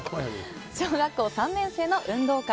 小学３年生の運動会。